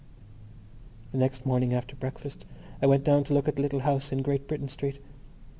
The next morning after breakfast I went down to look at the little house in Great Britain Street.